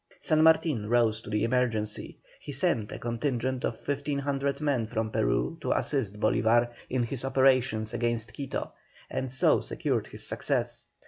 San Martin rose to the emergency. He sent a contingent of 1,500 men from Peru to assist Bolívar in his operations against Quito, and so secured his success.